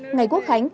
ngày quốc khánh